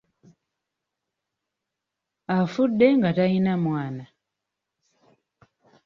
Afudde nga talina mwana.